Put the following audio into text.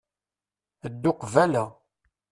Ddu qbala.